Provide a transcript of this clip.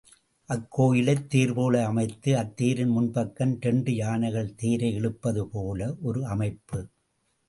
அக்கோயிலை தேர்போல் அமைத்து அத்தேரின் முன்பக்கம் இரண்டு யானைகள் தேரை இழுப்பதுபோல ஒரு அமைப்பு.